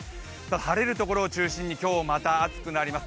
晴れるところを中心に今日はまた暑くなります。